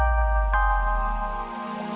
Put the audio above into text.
beberapa angka dua